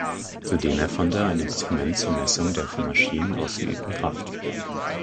Zudem erfand er ein Instrument zur Messung der von Maschinen ausgeübten Kraft.